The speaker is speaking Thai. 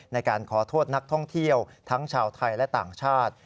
ในการขอโทษนักท่องเที่ยวทั้งชาวไทยและต่างชาติ